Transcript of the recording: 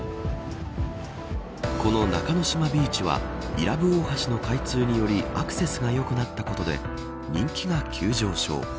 この中の島ビーチは伊良部大橋の開通によりアクセスが良くなったことで人気が急上昇。